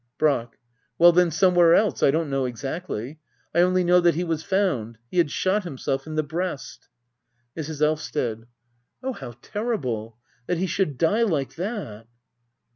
Brack. Well then, somewhere else. I don't know exactly. I only know that he was found . He had shot himself— in the breast. Mrs. Elvsted. Oh, how terrible ! That he should die like that!